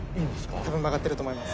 多分曲がってると思います。